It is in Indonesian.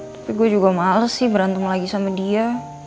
tapi gue juga males sih berantem lagi sama dia